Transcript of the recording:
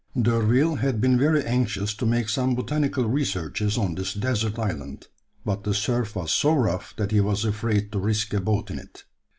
D'Urville had been very anxious to make some botanical researches on this desert island, but the surf was so rough that he was afraid to risk a boat in it.